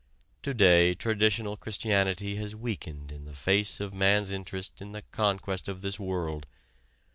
To day traditional Christianity has weakened in the face of man's interest in the conquest of this world.